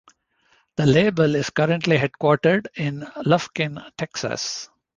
The label is currently headquartered in Lufkin, Texas.